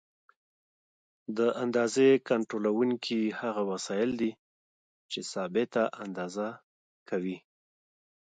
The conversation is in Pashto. د اندازې کنټرولونکي هغه وسایل دي چې ثابته اندازه کوي.